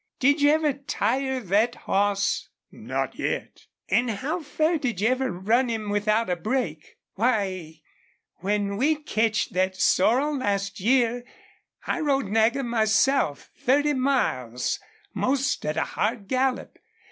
Did you ever tire thet hoss?" "Not yet." "An' how fur did you ever run him without a break? Why, when we ketched thet sorrel last year I rode Nagger myself thirty miles, most at a hard gallop.